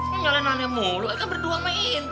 lo nyalain aneh mulu kan berdua main